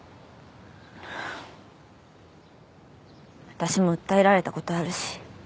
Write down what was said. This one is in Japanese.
私も訴えられた事あるし。